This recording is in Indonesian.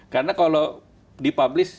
karena kalau di publis